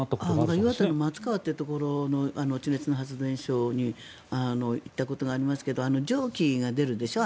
岩手の松川というところの地熱の発電所に行ったことがありますが蒸気が出るでしょ？